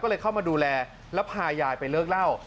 ก็เลยเข้ามาดูแลแล้วพายายไปเลิกเล่า